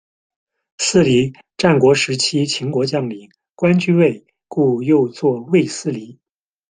斯离，战国时期秦国将领，官居尉，故又作尉斯离。